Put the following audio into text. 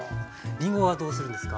りんごはどうするんですか？